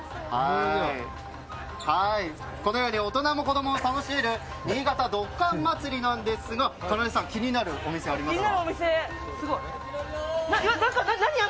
このように大人も子供も楽しめる新潟ドッカン祭りなんですがかなでさん気になるお店ありますか？